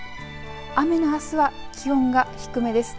雨のあすは気温が低めです。